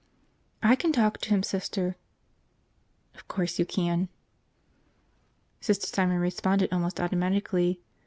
"I can talk to him, Sister." "Of course you can." Sister Simon responded almost automatically.